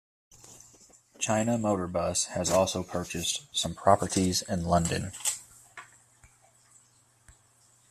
China Motor Bus has also purchased some properties in London.